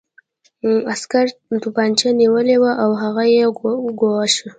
عسکر توپانچه نیولې وه او هغه یې ګواښه